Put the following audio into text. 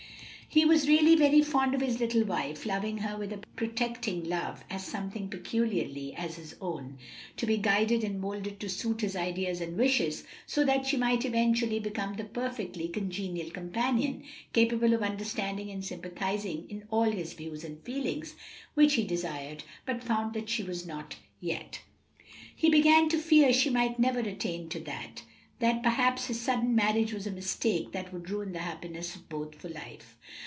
He was really very fond of his little wife, loving her with a protecting love as something peculiarly his own, to be guided and moulded to suit his ideas and wishes, so that she might eventually become the perfectly congenial companion, capable of understanding and sympathizing in all his views and feelings, which he desired, but found that she was not yet. He began to fear she might never attain to that; that perhaps his sudden marriage was a mistake that would ruin the happiness of both for life.